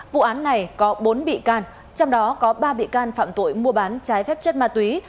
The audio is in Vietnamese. vụ án này có bốn bị can trong đó có ba bị can phạm tội mua bán trái phép chất ma túy